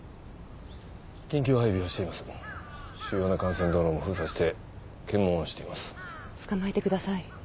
緊急配備をしています主要な幹線道路も封鎖して検問をしています捕まえてください